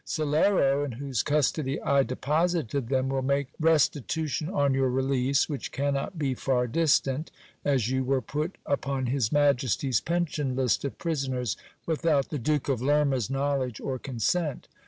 Salero, in whose custody I deposited them, will make resti tution on your release, which cannot be far distant, as you were put upon his majesty's pension list of prisoners without the Duke of Lerma's knowledge or consent.